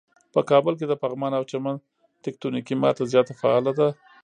په کابل کې د پغمان او چمن تکتونیکی ماته زیاته فعاله ده.